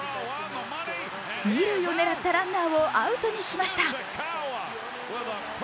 二塁を狙ったランナーをアウトにしました。